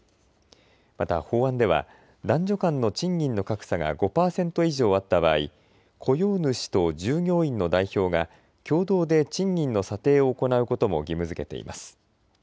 また法案では男女間の賃金の格差が５％以上あった場合、雇用主と従業員の代表が共同で賃金の査定を行うことも義務づけています。